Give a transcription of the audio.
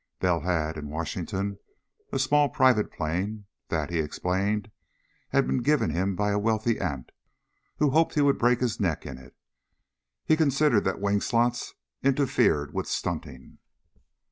Bell had, in Washington, a small private plane that, he explained, had been given him by a wealthy aunt, who hoped he would break his neck in it. He considered that wing slots interfered with stunting.